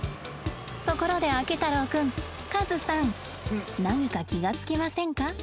ところであけ太郎くんカズさん何か気が付きませんか？